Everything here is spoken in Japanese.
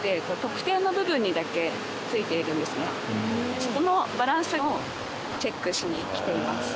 そこのバランスをチェックしに来ています。